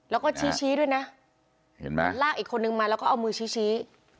แล้วก็ชี้ด้วยนะลากอีกคนนึงมาแล้วก็เอามือชี้